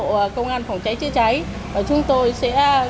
các cán bộ công an phòng cháy chữa cháy và chúng tôi sẽ cố gắng